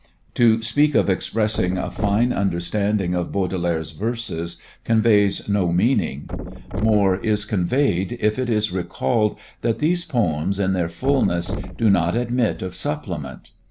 To speak of expressing a fine understanding of Baudelaire's verses, conveys no meaning; more is conveyed if it is recalled that these poems in their fulness do not admit of supplement.